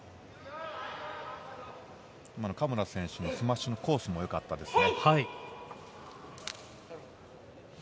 今の嘉村選手のスマッシュのコースもよかったですね。